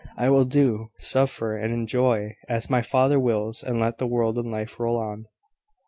I will do, suffer and enjoy, as my Father wills and let the world and life roll on!"